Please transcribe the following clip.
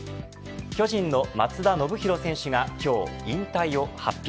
巨人の松田宣浩選手が今日、引退を発表。